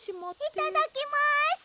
いただきます！